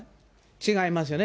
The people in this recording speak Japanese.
違いますよね。